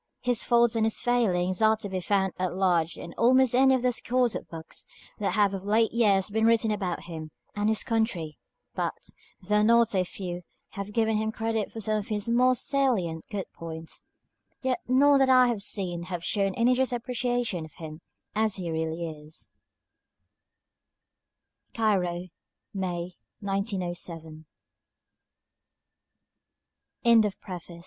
His faults and his failings are to be found at large in almost any of the scores of books that have of late years been written about him and his country; but, though not a few have given him credit for some of his more salient good points, yet none that I have seen have shown any just appreciation of him as he rea